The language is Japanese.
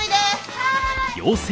はい！